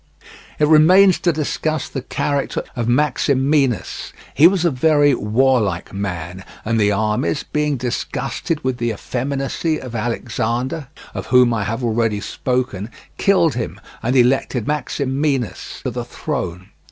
It remains to discuss the character of Maximinus. He was a very warlike man, and the armies, being disgusted with the effeminacy of Alexander, of whom I have already spoken, killed him and elected Maximinus to the throne.